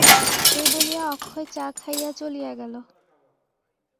এই বলিয়া অক্ষয় চা খাইয়া চলিয়া গেল।